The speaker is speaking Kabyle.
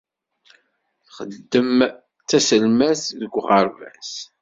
Txeddem d taselmadt deg uɣerbaz.